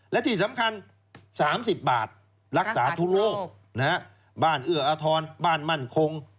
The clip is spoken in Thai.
และที่สำคัญ๓๐บาทรักษาทุโลกบ้านเอื้ออทรบ้านมั่นคง